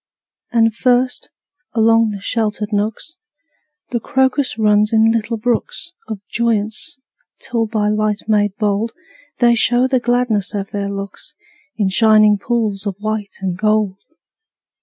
And first, along the sheltered nooks, The crocus runs in little brooks Of joyance, till by light made bold They show the gladness of their looks In shining pools of white and gold.